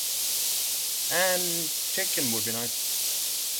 And chicken would be nice.